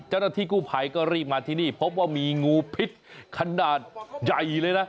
เจ้าหน้าที่กู้ภัยก็รีบมาที่นี่พบว่ามีงูพิษขนาดใหญ่เลยนะ